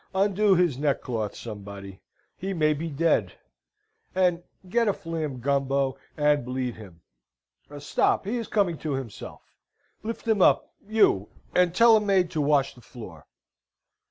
"Undo his neckcloth, somebody he may be dead; and get a fleam, Gumbo, and bleed him. Stop! He is coming to himself! Lift him up, you, and tell a maid to wash the floor."